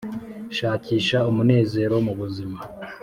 shakisha umunezero mubuzima;